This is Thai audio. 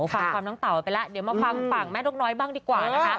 ฟังความน้องเต่าไปแล้วเดี๋ยวมาฟังฝั่งแม่นกน้อยบ้างดีกว่านะคะ